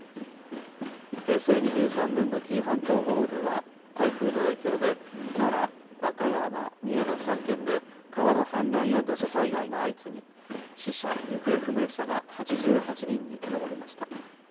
平成２３年の紀伊半島豪雨では台風の影響で奈良、和歌山、三重の３県で川の氾濫や土砂災害が相次ぎ死者・行方不明者が８８人に上りました。